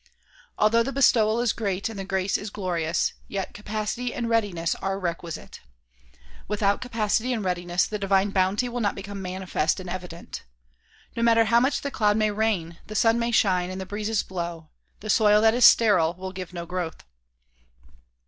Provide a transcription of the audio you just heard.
Although the bestowal is great and the grace is glorious, yet capacity and readi ness are requisite. Without capacity and readiness the divine bounty will not become manifest and evident. No matter how much the cloud may rain, the sun may shine and the breezes blow, the soil that is sterile will give no growth.